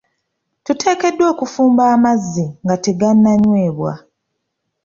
Tuteekeddwa okufumba amazzi nga tegananyweebwa.